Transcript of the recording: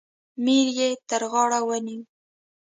میر یې تر غاړه ونیوی.